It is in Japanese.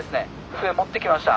笛持ってきました。